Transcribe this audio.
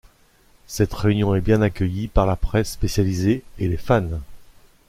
Cette réunion est bien accueillie par la presse spécialisée et les fans.